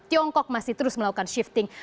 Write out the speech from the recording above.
tiongkok masih terus melakukan shifting